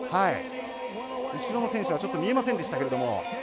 後ろの選手はちょっと見えませんでしたけれども。